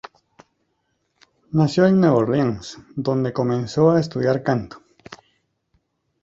Nació en Nueva Orleans donde comenzó a estudiar canto.